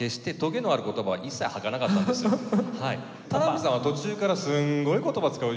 田邊さんは途中からすんごい言葉を使うように。